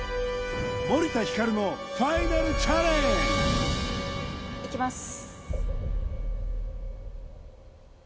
森田ひかるのファイナルチャレンジいきます